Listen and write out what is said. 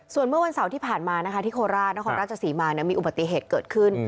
ส่วนเมื่อวันเสาร์ที่ผ่านมานะคะที่โคราชนครราชศรีมามีอุบัติเหตุเกิดขึ้น